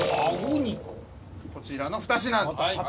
こちらの２品。